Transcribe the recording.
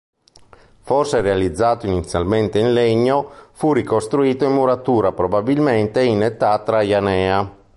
Forse realizzato inizialmente in legno, fu ricostruito in muratura probabilmente in età traianea.